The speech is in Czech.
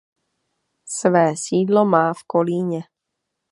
Své sídlo má v Kolíně.